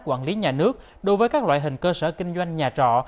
quản lý nhà nước đối với các loại hình cơ sở kinh doanh nhà trọ